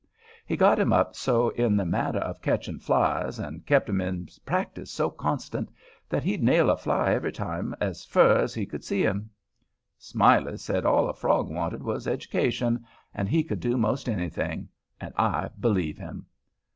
He got him up so in the matter of ketching flies, and kep' him in practice so constant, that he'd nail a fly every time as fur as he could see him. Smiley said all a frog wanted was education, and he could do 'most anything—and I believe him.